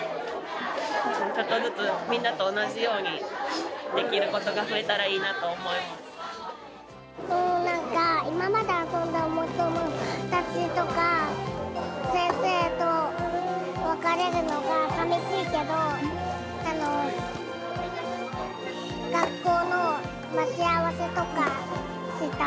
ちょっとずつみんなと同じようにできることが増えたらいいなと思なんか今まで遊んだお友達とか、先生と別れるのがさみしいけど、もうすぐ小学生。